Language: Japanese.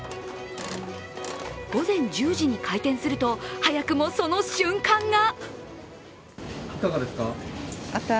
午前１０時に開店すると早くもその瞬間が。